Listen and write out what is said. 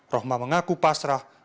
rohma mengaku pasrah